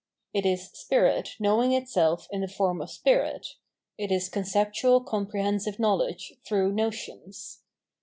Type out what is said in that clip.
It is spirit kaowing itself in the form of spirit, it is conceptual comprehensive knowledge through notions.